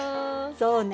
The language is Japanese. そうね。